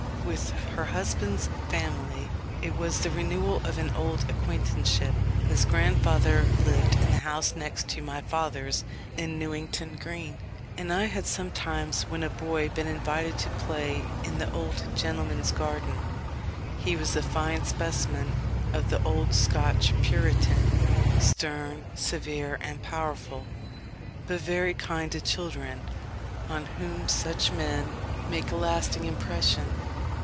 With her husband's family it was the renewal of an old acquaintanceship. His grandfather lived in the next house to my father's in Newington Green, and I had sometimes when a boy been invited to play in the old gentleman's garden. He was a fine specimen of the old Scotch puritan; stern, severe, and powerful, but very kind to children, on whom such men make a lasting impression.